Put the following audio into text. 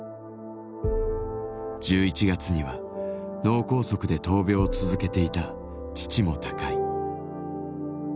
１１月には脳梗塞で闘病を続けていた父も他界。